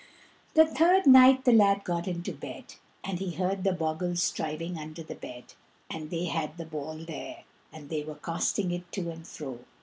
The third night the lad got into bed, and he heard the bogles striving under the bed, and they had the ball there, and they were casting it to and fro.